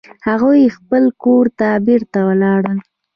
هغوی خپل کور ته بیرته ولاړل